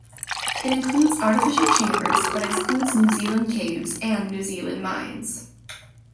It includes artificial chambers but excludes New Zealand caves and New Zealand mines.